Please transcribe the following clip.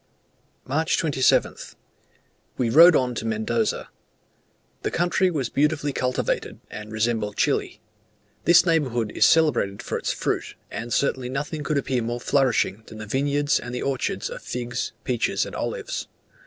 March 27th. We rode on to Mendoza. The country was beautifully cultivated, and resembled Chile. This neighbourhood is celebrated for its fruit; and certainly nothing could appear more flourishing than the vineyards and the orchards of figs, peaches, and olives.